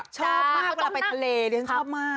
ชอบมากเวลาไปทะเลดิฉันชอบมาก